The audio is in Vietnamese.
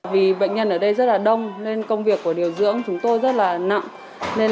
vì bệnh nhân ở đây rất là đông nên công việc của điều dưỡng chúng tôi rất là nặng